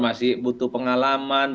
masih butuh pengalaman